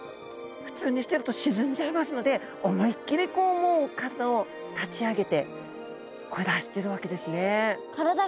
普通にしてると沈んじゃいますので思いっきりこうもう体を立ち上げて暮らしてるわけですね。